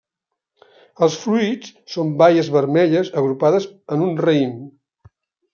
Els fruits són baies vermelles agrupades en un raïm.